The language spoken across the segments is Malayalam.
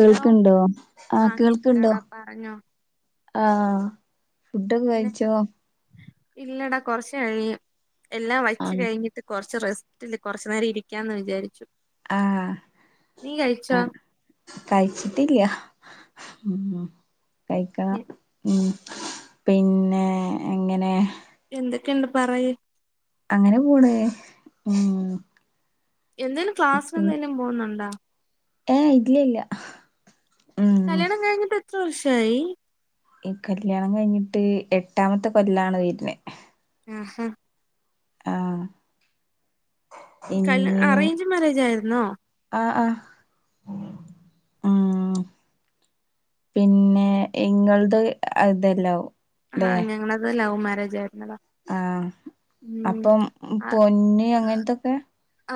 ഹലോ ആഹ് ആ കേൾക്കണ്ടോ കേക്കാടാ പറഞ്ഞോ ആഹ് ഫുടൊക്കെ പിന്നെ കഴിച്ചോ ഇല്ലടാ കുറച്ച് കഴിയും എല്ലാം വച്ച് ആഹ് കഴിഞ്ഞിട്ട് കുറച്ച് കുറച്ച് റെസ്റ്റല്ലേ കുറച്ച് നേരം ഇരിക്കാന്ന് വിചാരിച്ചു ആഹ് നീ കഴിച്ചോ ആഹ് കഴിച്ചിട്ടില്ല ഉ കൈക്കണം എ- ഉം പിന്നെ എങ്ങനെ എന്തൊക്കെയുണ്ട് പറയ് അങ്ങനെ പോണ് ഉം എന്തേലും ക്ലാസ്സിൽ എന്തേലും പോവുന്നുണ്ടാ ഏയ് ഇല്ലില്ല കല്യാണം കഴിഞ്ഞിട്ട് എത്ര വർഷായി ഈ കല്യാണം കഴിഞ്ഞിട്ട് എട്ടാമത്തെ കൊല്ലാണ് വീട്ടിലെ ആ ഹ ആഹ് കല് പിന്നെ അറേഞ്ച് മാരേജ് ആയിരുന്നോ ആഹ് ആഹ് ഉം പിന്നെ ഇങ്ങളത് അതല്ലൊ ആഹ് ഞങ്ങളത് ലൗ മാരേജ് ആയി ആഹ് അപ്പം പൊന്ന് അങ്ങനത്തൊക്കെ ആ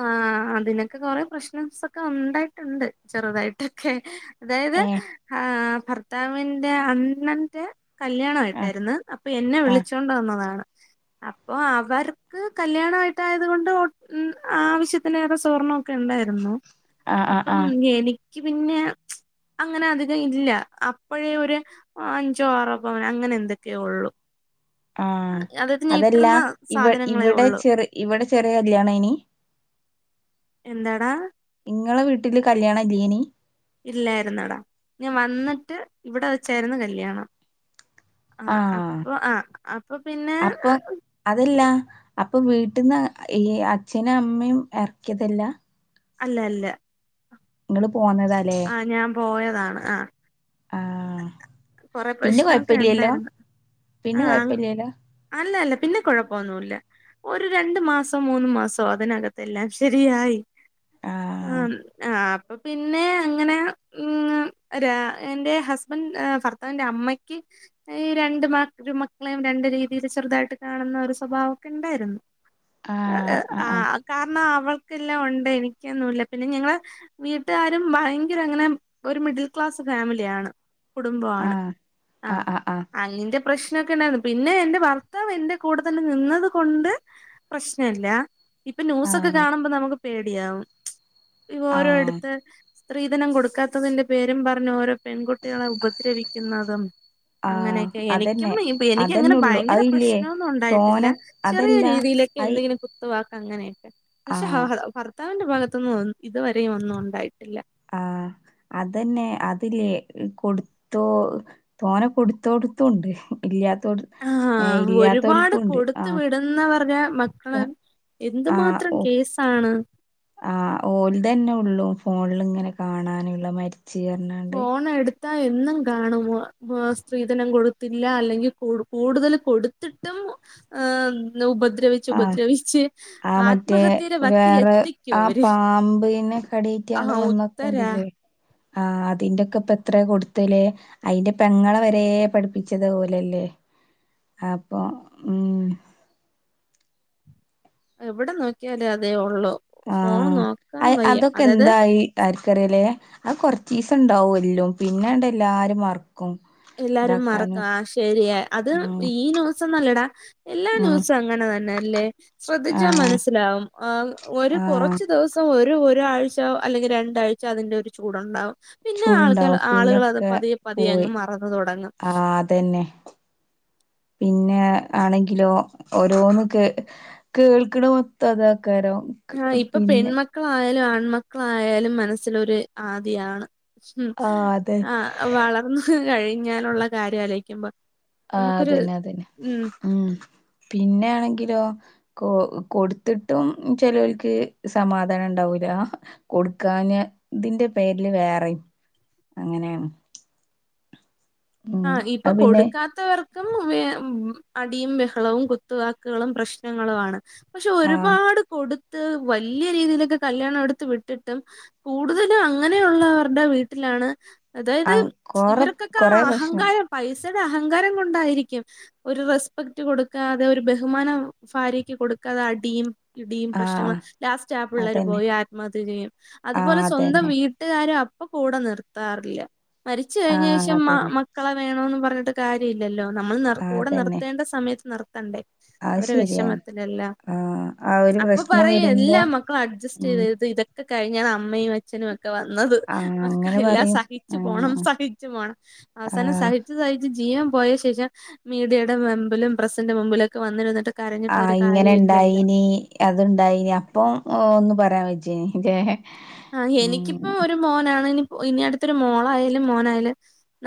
അതിനൊക്കെ കൊറേ പ്രശ്നംസ് ഒക്കെ ഉണ്ടായിട്ടുണ്ട് ചെറുതായിട്ടൊക്കെ അതായത് ആ ആ ഭർത്താവിന്റെ അണ്ണന്റെ കല്യാണമായിരുന്നു ആ യിരുന്നു അപ്പൊ എന്നെ ആ വിളിച്ചോണ്ട് വന്നതാണ് [inaudible] അപ്പോ അവർക്ക് കല്യാണമായിട്ടായത് കൊണ്ട് ആവശ്യത്തിന് ഏറെ സ്വർണമൊക്കെ ഉണ്ടായിരുന്നു ആ ആ അപ്പം എനിക്ക് പിന്നെ അങ്ങനെ അധികം ഇല്ല അപ്പഴേ ഒരു അഞ്ചോ ആറോ പവൻ അങ്ങനെ എന്തൊക്ക ഒക്കെ ഉള്ളൂ ആ അതല്ല ഇവ സാധനങ്ങളേ ഇവിടെ ഉള്ളു ചെറു ഇവിടെ ചെറിയ കല്യാണ ആയിനി എന്താടാ നിങ്ങളെ വീട്ടില് കല്യാണം ഇല്ലേനി ഇല്ലായിരുന്നടാ ഞാൻ വന്നിട്ട് ഇവിടെ വെച്ചായിരുന്നു കല്യാണം ആ അപ്പൊ ആ അപ്പൊ പിന്നെ അപ്പൊ വീട്ടുന്ന് ഈ അച്ഛനും അമ്മയും ഇറക്കിയതല്ല അല്ല അല്ല നിങ്ങള് ആ ഞാൻ പോയതാണ് ആ ആ കൊറെ പിന്നെ പ്രശ്നമൊക്കെ കൊഴപ്പില്ലല്ലോ ഉണ്ടായിരുന്നു ആ പിന്നെ കൊഴപ്പില്ലല്ലോ അല്ലല്ല പിന്നെ കുഴപ്പൊന്നുല്ല ഒരു രണ്ട് മാസോ മൂന്ന് മാസോ അതിനകത്ത് എല്ലാം ശരിയായി ആ ആ അ പിന്നെ അങ്ങനെ എന്റെ ഹസ് ഭർത്താവിന്റെ അമ്മയ്ക്ക്ഈ രണ്ടു മക്കളെയും രണ്ട് രീതിയിൽ ചെറുതായിട്ട് കാണ ന്ന ഒരു സ്വഭാവൊക്കെ ഉണ്ടായിരുന്നു ആ ആ ആ ആ കാരണം അവൾ ക്കെല്ലാം ഒണ്ട് എനിക്കൊന്നുമല്ല പിന്നെ ഞങ്ങള വീട്ടുകാരും ഭയങ്കര അങ്ങനെ ഒരു മിഡിൽ ക്ലാസ് ഫാമിലിയാണ് ആ കുടുംബമാണ് ആ അതിന്റെ പ്രശ്നൊക്കെ ഉണ്ടായിരുന്നു പിന്നെ എൻറെ ഭർത്താവ് എന്റെ കൂടെ തന്നെ നിന്നതു കൊണ്ട് പ്രശ്നല്ല ഇപ്പൊ ആ ന്യൂസൊക്കെ കാണുമ്പോ നമുക്ക് പേടിയാവും ഇ ആ ഓരോഇടുത്ത് സ്ത്രീധനം കൊടുക്കാത്തതിന്റെ പേരും പറഞ്ഞു ഓരോ പെൺകുട്ടികളെ ഉപദ്രവിക്കുന്നതും ആഹ് അങ്ങനെയൊക്കെ എനിക്കും അതന്നെ അതന്നെ എനിക്കങ്ങനെ ഉള്ളു ഭയങ്കര അതില്ലേ പ്രശ്നൊന്നും ഉണ്ടായിട്ടില്ല തോനെ ചെറിയ അതല്ല രീതിയില് അയി എന്തെങ്കിലും കുത്ത് വാക്കു അങ്ങനെയൊക്കെ പക്ഷെ ആഹ് ഭർത്താവിന്റെ ഭാഗത്തൊന്നും ഇതുവരെയും ഒന്നും ഉണ്ടായിട്ടില്ല ആ അതന്നെ അതില്ലേ കൊടുത്തോ തോനേ കൊടുത്തോടുത്തുണ്ട് ഇല്ലത്ത ആ ഒരുപാട് കൊടുത്ത ആഹ് വിടുന്നപറഞ്ഞ മക്കള ക എന്തുമാത്രം കേസാണ് ആ ഓല തന്നെ ഉള്ളൂ ഫോണിൽ ഇങ്ങനെ കാണാനുള്ള മരിച്ച് പറഞ്ഞാണ്ട് അതാ എന്നും കാണും സ്ത്രീധനം കൊടുത്തില്ല അല്ലെങ്കിൽ കൂടു കൂടുതൽ കൊടുത്തിട്ടും ആ ഉപ ആ ആ മറ്റേ ആത്മഹത്യയുടെ വക്കിൽ വേറെ എത്തിക്കും ആ അവര് പാമ്പിനെ കടി ആ [unintelligible] ഉത്തരാ വന്നൊക്കണ്ടില്ലേ ആ അതിന്റെക്കെ ഇപ്പ എത്ര കൊടുത്തല് അയിന്റെ പെങ്ങളെ വരെ പഠിപ്പിച്ചത് ഓലല്ലേ അപ്പൊ ഉം എവിടെ നോക്കിയാലും അതേ ഒള്ളു ആ അ അതൊക്കെ എന്തായി ആർക്കറിയാലേ അത് കൊറചീസം ഉണ്ടാവും എല്ലോം പിന്നെണ്ട് എല്ലാരും മറ എല്ലാരും മറക്കും ആ ശരിയാ അത് ഉം ഈ ന്യൂസെന്നല്ലാഡാ എല്ലാ ഉം ന്യൂസും അങ്ങനെ തന്നെ അല്ലേ ആ ശ്രദ്ധിച്ചാ മനസ്സിലാവും ആ ഒരു ആ കുറച്ചു ദിവസം ഒരു ഒരു ഒരാഴ്ച അല്ലെങ്കിൽ രണ്ടാഴ്ചോ അതിന്റെ ഒരു ചൂടുണ്ടാവും പിന്നെ ആൾക്കാ ചൂടുണ്ടാവും ആളുകൾ അത് പിന്നൊക്കെ പതിയെ പതിയെ പോയി അങ്ങ് മറന്ന ആ അതെന്നെ. പിന്നെ ആണെങ്കിലോ ഓരോന്ന് കേ കേൾക്ക്ണ മൊത്തം അതാ ആ ഇപ്പൊ പെൺമക്കളായാലും ആൺമക്കളായാലും മനസ്സിലൊര് ആദിയാണ് മ് ആഹ് അതെ ആ വളർന്ന് കഴിഞ്ഞാലുള്ള കാര്യം ആലോയ്ക്കുമ്പോ ആ അതെന്നെ അതെന്നെ മ്മ് പിന്നെ ആണെങ്കിലോ കൊ കൊടുത്തിട്ടും ചെലോൽക്ക് സമാധാനണ്ടാവൂല കൊട്ക്കാഞ്ഞാ ഇതിന്റെ പേരില് വേറെം അങ്ങനേണ് ആ ഇപ്പൊ കൊടുക്കാത്തവർ ക്കും അടിയും ബഹളവും കുത്തവാക്കുകളും പ്രശ്നങ്ങളുമാണ് പക്ഷെ ആഹ് ഒരുപാട് കൊട് ത്ത് വല്ല്യ രീതിയിലൊക്കെ കല്യാണടുത്ത് വിട്ട്ട്ടും കൂടുതലും അങ്ങനെയുള്ളവര്ടെ വീട്ടില ആണ് അതായത് ആഹ് കൊറെ ഇവർക്കൊക്കെ കൊറെ പ്രശ്നം അഹങ്കാരം പൈസ അഹങ്കാരം കൊണ്ടായിരിക്കും ഒരു റെസ്പെക്റ്റ് കൊടുക്കാതെ ഒരു ബഹുമാനം ഭാര്യക്ക് കൊടുക്ക [unintelligible] ഇടിയും പ്രശ്നങ്ങള് ആഹ് ലാസ്റ്റ് ആ പിള്ളേർ അതന്നെ പോയി ആത്മഹത്യ ചെയ്യും ആഹ് അതുപോലെ സ്വന്തം അതന്നെ വീട്ട്കാര അപ്പൊ കൂടെ നിർത്താറില്ല മരിച്ച് കഴിഞ്ഞ ആഹ് ശേഷം മാ അതന്നെ മ ണം ന്ന് പറ്ഞ്ഞിട്ട് കാര്യല്ലല്ലോ നമ്മൾ നിർ ആഹ് കൂടെ അതന്നെ നിർത്തേണ്ട സമയത്ത് നിർ ത്തണ്ടേ അത് അവരെ ശരിയാണ് വിഷമത്തിലല്ലാ ആഹ് ആ ഒരു അപ്പൊ പ്രശ്നം പറയ് വരുമ്പോ എല്ലാ മക്കളും ഉം അഡ്ജസ്റ്റെയ് ഇത് ഇതൊക്കെ കഴിഞ്ഞാൽ അമ്മയും അച്ഛനൊക്കെ ക്ക് വന്നത് ആഹ് അങ്ങനെ മക്കളെല്ലാം പറയും സഹിച്ചു പോണം ആഹ് സഹിച്ചു പോണം അവസാനം ആഹ് സഹിച്ചു സഹിച്ച് ജീവൻ പോയ ശേഷം മീഡിയയുടെ മുമ്പിലും പ്രസ്സിന്റെ മുമ്പിലൊക്കെ വന്നിരിന്ന്ട്ട് ആ ഇങ്ങനെണ്ടായീനീ അത്ണ്ടായിനി അപ്പൊ ഒന്ന് പറ്യാന് [unintelligible] ആ എനിക്കിപ്പം ഒരു മോനാണ്. ഇനി അടുത്തൊരു മോളായാലും മോനായാലും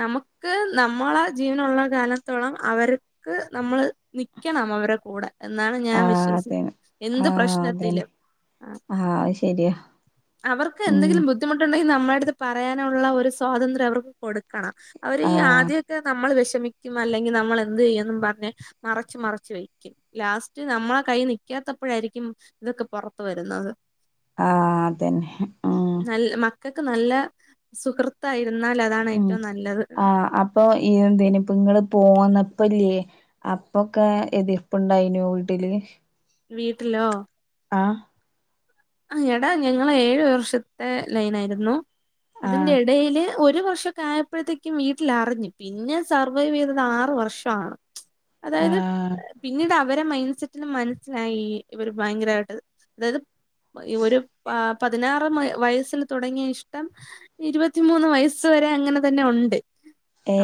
നമുക്ക് നമ്മളെ ജീവനുള്ള കാലത്തോളം അവർക്ക് നമ്മൾ നിക്കണം അവരെ കൂടെ. എന്നാണ് ഞാൻ ആഹ് വിശ്വസിക്കു അതന്നെ എന്ത് ആഹ് അതന്നെ പ്രശ്നത്തിലും. ആഹ് ശെരിയാ അവർക്ക് എന്തെങ്കിലും ബുദ്ധിമുട്ടുണ്ടെങ്കിൽ നമ്മളെടുത്ത് പറയാനുള്ള ഒരു സ്വാതന്ത്ര്യം അവർക്ക് കൊടുക്കണം. അവര് ഈ ആഹ് ആദ്യൊക്കെ നമ്മൾ വെശ് മിക്കും അല്ലെങ്കി നമ്മൾ എന്ത് ചെയ്യുംന്ന് പറ്ഞ്ഞ് മറച്ച് മറച്ച് വെക്കും ലാസ്റ്റ് നമ്മളെ കൈ നിക്കത്തി ത്തപ്പോഴായിരിക്കും ഇതൊക്കെ പൊറത്ത് വരുന്നത് ആ അതന്നെ മ്മ് ക്കക്ക് നല്ല സുഹൃത്തായി മ് ആ അപ്പൊ ഈ എന്തേനിപ്പം ങ്ങള് പോന്ന അപ്പല്ലേ അപ്പൊക്കെ എതിർപ്പുണ്ടായീനോ വീട്ടില് വീട്ടിലോ ആ ആ എടാ ഞങ്ങളേഴു വർഷത്തെ ലൈനായിരുന്നു ആഹ് അതിന്റെടയില് ഒരു വർഷക്കായപ്പോഴത്തേക്കും വീട്ടിലറിഞ്ഞ് പിന്നെ സർവൈവ് ചെയ്തത് ആറ് വർഷണ് അതായത് ആഹ് പിന്നീട് അവരെ മൈൻഡ്സെറ്റ്ൽ മന്സ്സിലായി ഇവര് ഭയങ്കരായ്ട്ട് അതായത് ഒരു പ പതിനാറ് വയസ്സിൽ തുടങ്ങിയ ഇഷ്ടം ഇരുവത്തിമൂന്ന് വയസ്സ് വെരെ അങ്ങനെ തന്നെ ഉണ്ട്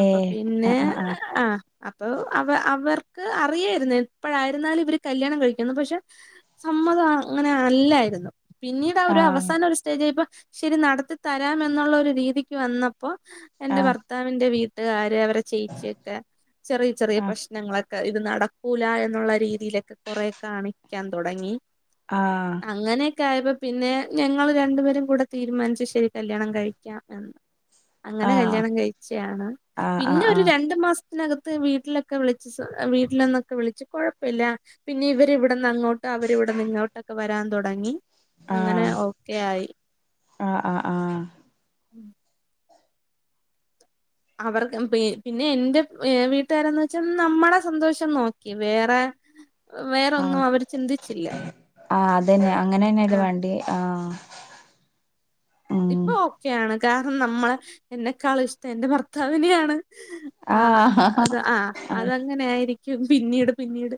അപ്പൊ പിന്നെ ആഹ് ആഹ് ആഹ് ആ അപ്പൊ അവ അവർ അറിയായ്ര്ന്നു എപ്പോഴായിരുന്നാലും ഇവർ കല്യാണം കഴിക്കുംന്ന് പക്ഷെ സമ്മതം അങ്ങനെ അല്ലായിര്ന്ന് പിന്നീടാ ഒരു ആഹ് അവസാന ഒരു സ്റ്റേജായപ്പോ ശെരി നടത്തിത്തരാമെന്നുള്ളൊരു രീതിക്ക് വന്ന പ്പോ എന്റെ ആഹ് ഭർത്താവിന്റെ വീട്ടുകാര് അവരെ ചേച്യൊക്കെ ചെറിയ ചെറിയ ആഹ് പ്രശ്നങ്ങളെ ഇത് നടക്കൂല എന്നുള്ള രീതിയിലൊക്കെ കൊറെ കാണിക്കാൻ തുടങ്ങി ആഹ് ക്കെ ആയപ്പോ പിന്നെ ഞങ്ങൾ രണ്ടുപേരും കൂടെ തീരുമാനിച്ചു ശെരി കല്യാണം കഴിക്കാം എന്ന് അങ്ങനെ ആഹ് കല്യാണം കഴിച്ചയാണ് പിന്നെ ആഹ് ഒരു ആഹ് രണ്ടു മാസം ത്തികത്ത് വീട്ടിലൊക്കെ വിളിച്ച് വീട്ടിലൊന്നൊക്കെ വിളിച്ച് കുഴപ്പമില്ല പിന്നെ ഇവരി ഇവിടന്ന് അങ്ങോട്ട് അവരിവിടെന്നിങ്ങോട്ടൊക്കെ വരാൻ തുടങ്ങി അങ്ങനെ ഓക്കെയായി. ആഹ ആഹ് ആഹ [unintelligible] അവർക്ക് പി പിന്നെ എന്റെ മ്ഇ വീട്ടുകാരന്ന് വെച്ചാ നമ്മട സന്തോഷം നോക്കി വേറെ [inaudible] ആ വേറൊന്നും അവര് ചിന്തിച്ചില്ല ആ അതന്നെ ആ അങ്ങനെന്നെല്ലേ വേണ്ട്യേ ആ ഇപ്പൊ ഓക്കെയാണ് കാരണം നമ്മളെ എന്നെക്കാളും ഇഷ്ടം എന്റെ ഭർത്താവിനെയാണ്. ആ ആഹ് അത് ആ അതങ്ങനേയിരിക്കും പിന്നീട് പിന്നീട്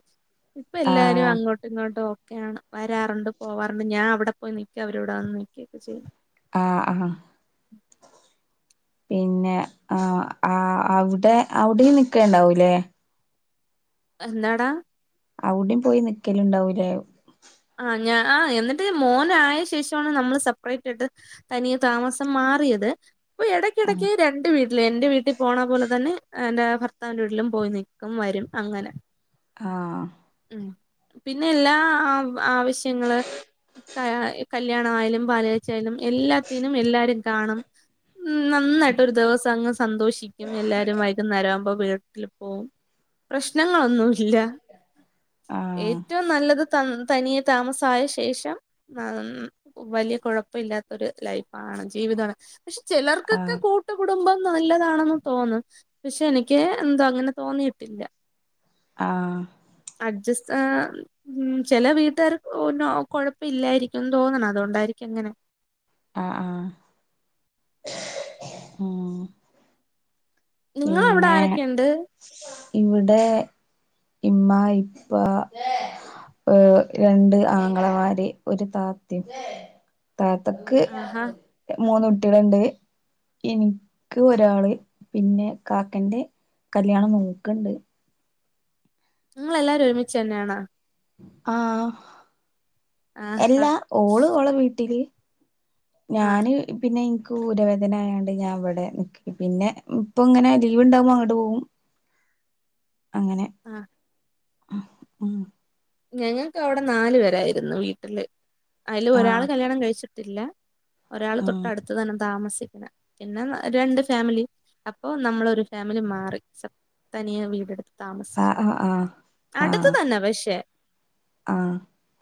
ഇപ്പൊ എല്ലാരും ആഹ് അങ്ങോട്ടും ഇങ്ങോട്ടും ഓ ക്കെയാണ് വരാറുണ്ട് പോവാറുണ്ട് ഞാ അവിടെ പോയി നിക്ക് അവരവിടെ വന്ന് നിക്ക്യക്കെ ചെയ്യും. ആ ആ പിന്നെ ആ ആ അവിടെ അവിടെയും നിക്കേണ്ടാവൂലേ എന്താടാ അവ്ടെയും പോയി നിക്ക്യലുണ്ടാവൂലേ ആ ഞാ ആ എന്നിട്ട് മോനായ ശേഷോണ് നമ്മള് സപ്പ്റേറ്റ് ആയിട്ട് തനിയെ താമസം മാ മാറിയത് പ്പൊ ആഹ് എടയ്ക്കിടയ്ക്ക് രണ്ട് വീട്ടില് എന്റെ വീട്ടിൽ പോണ പോലെ തന്നെ എന്റെ ഭർത്താവിന്റെ വീട്ടിലും പോയി നിക്കും വരും അങ്ങനെ ആ പിന്നെ എല്ലാ ആവ് ആവശ്യങ്ങള് ക [unintelligible] കല്യാണായാലും പാല് കാച്ചായാലും എല്ലാത്തിനും എല്ലാരും കാണും. ഉം നന്നായിട്ട് ഒരു ദിവസങ്ങ് സന്തോഷിക്കും എല്ലാരും വൈകുന്നേരാവുമ്പോ വീ ട്ടില് പോവും പ്രശ്നങ്ങളൊന്നുല്ല ആഹ് ഏറ്റവും നല്ലത് തന്ന് തനിയെ താമസായ ശേഷം [unintelligible] വലിയ കുഴപ്പില്ലാത്ത ഒരു ലൈഫാണ് ജീവി വിതാണ് പക്ഷെ ചിലർക്കൊക്കെ ആഹ് കൂട്ടു കുടുംബം നല്ലതാണെന്ന് തോന്നൺ പക്ഷെ എനിക്ക് എന്താ അങ്ങനെ തോന്നിയിട്ടില്ല. ആഹ് അഡ്ജസാ മ് ചെല വീട്ടുകാർ [unintelligible] കൊഴപ്പില്ലാരിക്കും ന്ന് തോന്നണ് അതുകൊണ്ടായിരിക്കും അങ്ങനെ ആഹ് ആഹ് ആ ഞിങ്ങളവ്ട ആരൊക്കെണ്ട് ഇവിടെ ഇമ്മ ഇപ്പ ഏഹ് രണ്ട് ആങ്ങളമാര് ഒരു താത്തെം താത്തക്ക് ആഹാ എ മൂന്ന് കുട്ടികളെണ്ട് എനിക്ക് ഒരാള് പിന്നെ കാക്കന്റെ കല്യാണം നോക്ക്ണ്ട് ഇങ്ങളെല്ലാരും ഒരുമിച്ചന്നെണാ ആഹ് ആഹാ എല്ലാ ഓള് ഓളെ വീട്ടില് ആഹ് ഞാന് പിന്നെ ഇ ക്കൂരവേദനായോണ്ട് ഞാൻ ഇവ്ടെ നിക്കു പിന്നെ ഇപ്പൊ ഇങ്ങനെ ലീവ് ഉണ്ടാവുമ്പോ അങ്ങോട്ട് പോകും അങ്ങനെ ആഹ് മ് ഉം ഞങ്ങക്ക് അവിടെ നാലു പേരായിരുന്നു വീട്ടില് അയില് ഒരാള് ആഹ് കല്യാണം കഴിച്ചിട്ട് ട്ടില്ല ഒരാള് ഉം തൊട്ടടുത്ത് തന്നെ താമസ് [unintelligible] പിന്നെ [unintelligible] രണ്ട് ഫാമിലി അപ്പൊ നമ്മളൊരു ഫാമിലി മാറി സപ് തനിയെ വീടെടുത്ത് താമസിച്ച് ആഹ് ആഹ് ആഹ് അടുത്ത് ആഹ് തന്നെ പക്ഷെ ആഹ്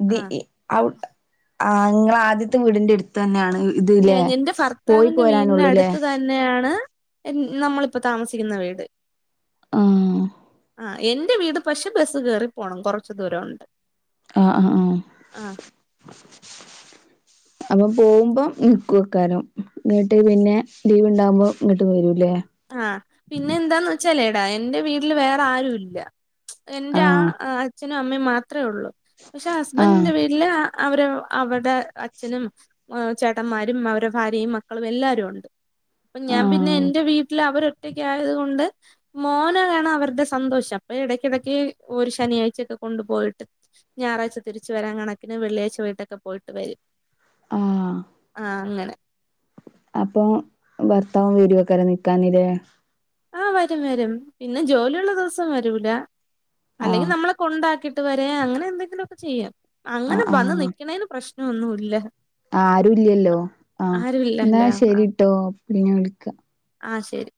ദി ആഹ് ഇ അവടെ ആ ഇങ്ങളെ ആദ്യത്തെ വീടിന്റെടുത്ത് തന്നെയാണ് ഇത് ല്ലേ [unintelligible] എന്റെ പോയി ഫറ്ത്താവിന്റെ പോരാനുള്ളൂല്ലേ വീടിനട്ത്ത് തന്നെയാണ് [unintelligible] നമ്മളിപ്പോ താമസിക്കുന്ന വീട് ആഹ് എന്റെ വീട് പക്ഷെ ബസ്സ് കേറി പോകണം കുറച്ച ദൂരം ഉണ്ട് ആ ആ ആ അപ്പൊ പോകുമ്പം നിക്കു യ്ക്കാരും ഇങ്ങോട്ട് പിന്നെ ലീവ് ഉണ്ടാവുമ്പോം ഇങ്ങോട്ട് വരൂല്ലേ ആ പിന്നെ എന്താന്ന് വച്ചാലേടാ എൻ്റെ വീട്ടില് വേറെ ആരുല്ല [unintelligible] എന്റെ ആഹ് ആ അച്ഛനും അമ്മയും മത്രേള്ളൂ പക്ഷെ ആഹ് ഹസ്സ്ബന്റെ വീട്ടില് ആ അവരെവ് അവ്ടെ അച്ഛനും [unintelligible] ചേട്ടന്മാരും അവരെ ഫാര്യയും മക്കളും എല്ലാരും ഒണ്ട് അപ്പൊ ഞാൻ പിന്നെ ആഹ് എൻ്റെ വീ അവര ഒറ്റക്ക ആയത് കൊൊണ്ട് മോനാണ് അവരുടെ സന്തോഷം അപ്പൊ ഇടക്കിടക്ക് ഒരു ശനിയ [unintelligible] കൊണ്ടു ഞാറാഴ്ച്ച തിരിച്ചുവരാൻ കാണക്ക് ന് വെളിയാഴ്ച്ച വയ്കിട്ടക്കെ പോയിവരും ആഹ് വരാ കണിന് വെള്ളിയാഴ്ച വീട്ടൊക്കെ പോയിട്ട് വരും ആഹ അങ്ങനെ അപ്പൊ ഭർത്താവും വീരൊക്കെരെ നിക്കാനില്ലേ ആ വരും വരും പിന്നെ ജോലിയുള്ള ദിവസം വരൂല അല്ലെങ്കിൽ ആഹ് നമ്മളെ കൊണ്ടാക്കിട്ട് ഇ വ അങ്ങനെ എന്തെങ്കിലുമൊക്കെ ചെയ്യാം അങ്ങനെ ആഹ് വന്ന് നിക്കക്കണേന് പ്രശ്നംൊന്നുമ ഇല്ല ആരുല്ലല്ലോ ആഹ എന്നാ ആരുല്ലല്ലോ ശരിട്ടോ പിന്നെ വിളിക്ക ആ ശരി